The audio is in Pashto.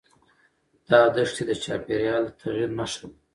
دا دښتې د چاپېریال د تغیر نښه ده.